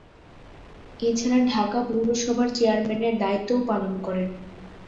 এছাড়া ঢাকা পৌরসভার চেয়ারম্যানের দায়িত্বও পালন করেন।